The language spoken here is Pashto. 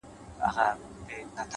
هره شېبه د نوې پرېکړې وخت دی,